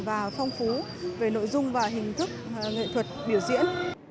và phong phú về nội dung và hình thức nghệ thuật biểu diễn